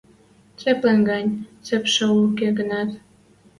Цеплӹм гань, цепшӹ уке гӹнят.